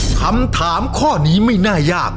คำถามข้อนี้ไม่น่ายาก